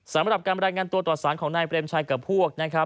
สำหรับการรายงานตัวต่อสารของนายเปรมชัยกับพวกนะครับ